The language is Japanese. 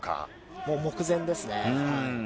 もう、目前ですね。